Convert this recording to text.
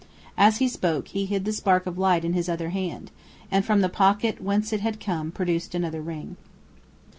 As he spoke, he hid the spark of light in his other hand, and from the pocket whence it had come produced another ring.